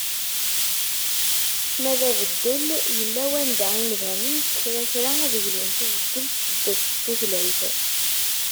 Ma d abeddel yella wanda imdanen, s kra kra ad glun s ubeddel n tseddast n tutlayt.